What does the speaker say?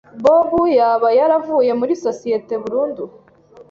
Bob yaba yaravuye muri sosiyete burundu?